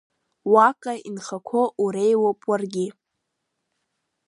Уаҟа инхақәо уреиуоуп уаргьы…